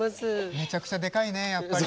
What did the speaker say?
めちゃくちゃでかいねやっぱり。